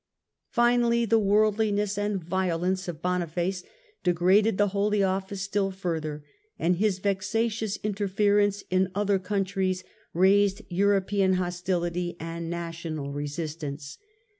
Finally, the worldiness and violence of Boniface degraded the Holy Office still fur ther, and his vexatious interference in other countries " Baby roused European hostility and national resistance.